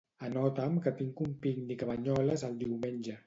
Anota'm que tinc un pícnic a Banyoles el diumenge.